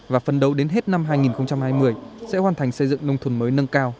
và phân đấu đến hết năm hai nghìn hai mươi sẽ hoàn thành xây dựng nông thuần mới nâng cao